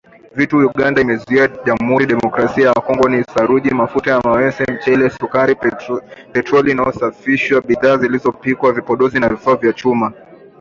Vitu Uganda imezuia Jamhuri ya Kidemokrasia ya Kongo ni saruji, mafuta ya mawese, mchele, sukari, petroli iliyosafishwa, bidhaa zilizopikwa, vipodozi na vifaa vya chuma.